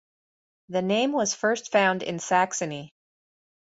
The name was first found in Saxony.